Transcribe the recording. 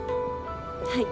はい。